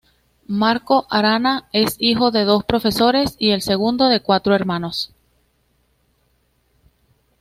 Marco Arana es hijo de dos profesores, y el segundo de cuatro hermanos.